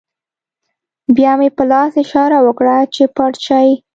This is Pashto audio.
بیا مې په لاس اشاره وکړه چې پټ شئ